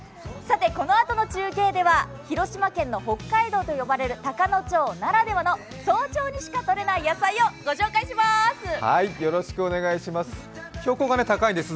このあとの中継では広島県の北海道と呼ばれる高野町ならではの早朝にしかとれない野菜を御紹介します。